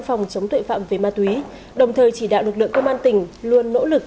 phòng chống tội phạm về ma túy đồng thời chỉ đạo lực lượng công an tỉnh luôn nỗ lực